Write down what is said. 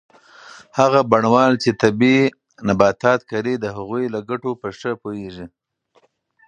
هغه بڼوال چې طبي نباتات کري د هغوی له ګټو په ښه پوهیږي.